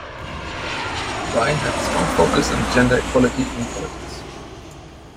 Ryan had a strong focus on gender equality in politics.